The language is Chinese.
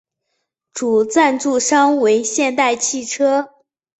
主赞助商为现代汽车。